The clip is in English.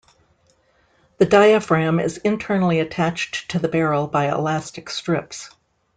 The diaphragm is internally attached to the barrel by elastic strips.